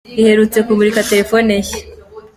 iherutse kumurika telefoni nshya.